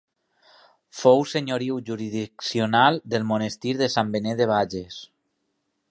Fou senyoriu jurisdiccional del Monestir de Sant Benet de Bages.